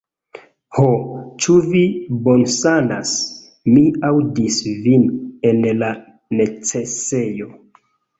Ho, ĉu vi bonsanas? Mi aŭdis vin en la necesejo!